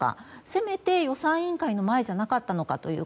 せめて予算委員会の前じゃなかったのかという。